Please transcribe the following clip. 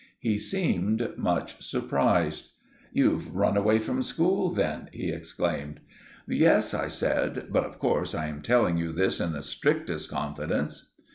He seemed much surprised. "You've run away from school then?" he exclaimed. "Yes," I said; "but of course I am telling you this in the strictest confidence."